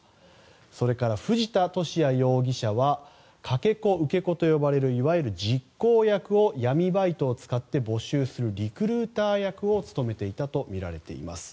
それから、藤田聖也容疑者はかけ子・受け子と呼ばれるいわゆる実行役を闇バイトを使って募集するリクルーター役を務めていたとみられています。